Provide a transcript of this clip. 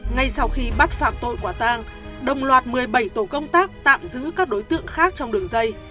ngay sau khi bắt phạm tội quả tang đồng loạt một mươi bảy tổ công tác tạm giữ các đối tượng khác trong đường dây